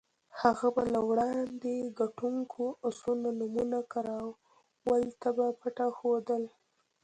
هغه به له وړاندې ګټونکو اسونو نومونه کراول ته په پټه ښودل.